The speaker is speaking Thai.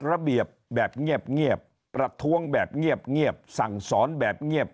ระเบียบแบบเงียบประท้วงแบบเงียบสั่งสอนแบบเงียบ